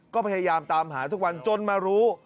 ก็พยายามตามหาทุกวันจนมารู้